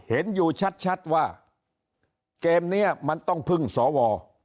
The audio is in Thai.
เห็นอยู่ชัดว่าเกมนี้มันต้องพึ่งสว